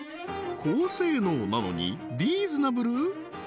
高性能なのにリーズナブル！？